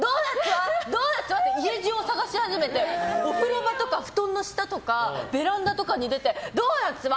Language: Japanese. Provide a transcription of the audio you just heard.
ドーナツは？って家中を探し始めてお風呂場とか、布団の下とかベランダとかに出てドーナツは？